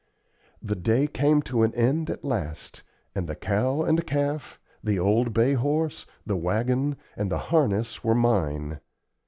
The day came to an end at last, and the cow and calf, the old bay horse, the wagon, and the harness were mine.